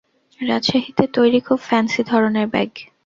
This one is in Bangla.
রাজশাহীতে তৈরি খুব ফ্যান্সি ধরনের ব্যাগ।